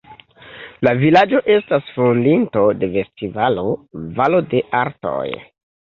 La vilaĝo estas fondinto de festivalo Valo de Artoj.